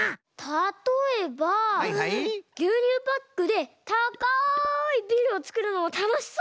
たとえばぎゅうにゅうパックでたかいビルをつくるのもたのしそうですね。